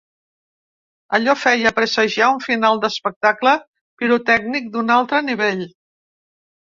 Allò feia presagiar un final d’espectacle pirotècnic d’un altre nivell.